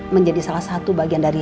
menjadi salah satu bagian dari